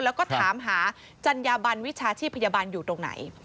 แล้วก็ถามหาจัญญาบันวิชาชีพพยาบาลอยู่ตรงไหน